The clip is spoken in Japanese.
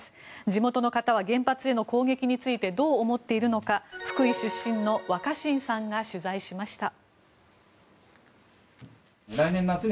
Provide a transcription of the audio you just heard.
地元の方は原発への攻撃についてどう思っているのか福井出身の若新さんが取材しました。